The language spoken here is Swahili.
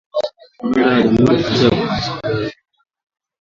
Uganda na Jamhuri ya Kidemokrasi ya Kongo siku ya Jumatano ziliongeza